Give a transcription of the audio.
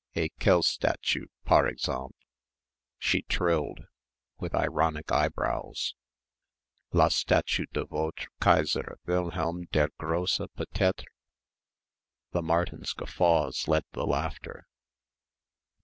Et quelle statue par exemple?" she trilled, with ironic eyebrows, "la statue de votre Kaisère Wilhelm der Grosse peut être?" The Martins' guffaws led the laughter.